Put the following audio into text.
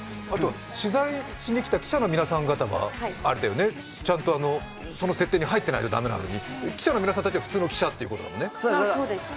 取材しに来た記者の皆さん方がちゃんとその設定に入ってないと駄目なのに、記者の皆さんたちは普通の記者ということだもんね。